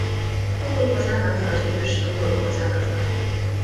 东德国家男子篮球队是东德的国家男子篮球队。